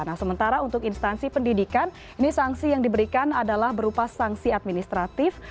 nah sementara untuk instansi pendidikan ini sanksi yang diberikan adalah berupa sanksi administratif